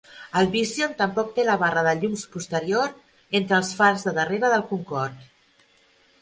El Vision tampoc té la barra de llums posterior entre els fars del darrere del Concorde.